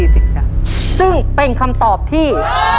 ซึ่งเป็นคำตอบที่